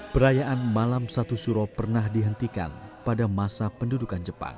perayaan malam satu suro pernah dihentikan pada masa pendudukan jepang